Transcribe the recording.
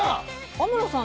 天野さん